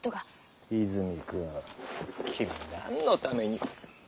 泉くん君何のために。